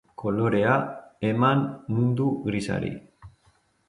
kolorea eman mundu grisari